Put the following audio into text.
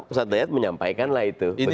ustaz hidayat menyampaikan lah itu begitu